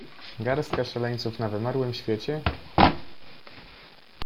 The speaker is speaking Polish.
"Garstka szaleńców na wymarłym świecie?"